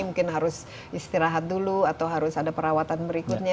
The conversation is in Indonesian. mungkin harus istirahat dulu atau harus ada perawatan berikutnya